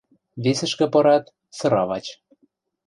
Весӹшкӹ пырат – сыравач.